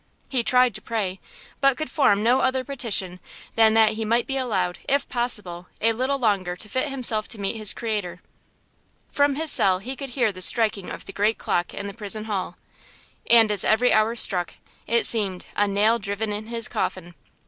He tried to pray, but could form no other petition than that he might be allowed, if possible, a little longer to fit himself to meet his Creator. From his cell he could hear the striking of the great clock in the prison hall. And as every hour struck it seemed "a nail driven in his coffin."